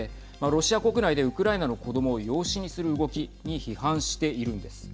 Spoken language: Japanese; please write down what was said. ロシア国内で、ウクライナの子どもを養子にする動きに批判しているんです。